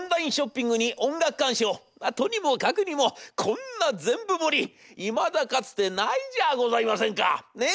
とにもかくにもこんな全部盛りいまだかつてないじゃあございませんかねえ。